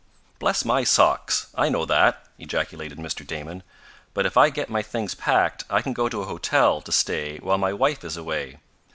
"Bless my socks! I know that," ejaculated Mr. Damon. "But if I get my things packed I can go to a hotel to stay while my wife is away.